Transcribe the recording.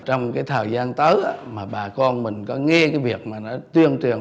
trong cái thời gian tới mà bà con mình có nghe cái việc mà nó tuyên truyền